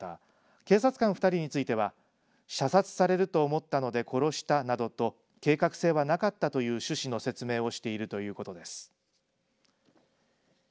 また、警察官２人については射殺されると思ったので殺したなどと計画性はなかったという趣旨の説明をしているということです。